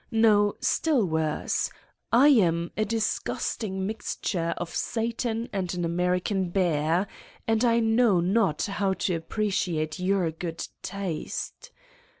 . no, still worse: I am a disgusting mixture of Satan and an American bear, and I know not how to ap preciate your good taste.